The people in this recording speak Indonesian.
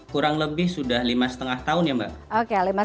kurang lebih sudah lima lima tahun ya mbak